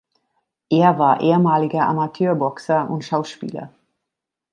Er war ehemaliger Amateurboxer und Schauspieler.